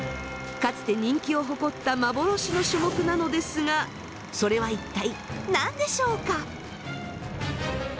かつて人気を誇った幻の種目なのですがそれは一体何でしょうか？